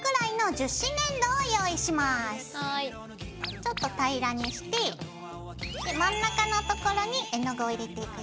ちょっと平らにして真ん中のところに絵の具を入れていくよ。